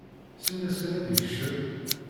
Siwel-as kan ad d-ikcem!